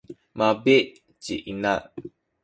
mabi’ ci ina.